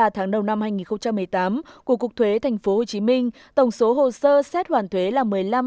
ba tháng đầu năm hai nghìn một mươi tám của cục thuế tp hcm tổng số hồ sơ xét hoàn thuế là một mươi năm sáu mươi chín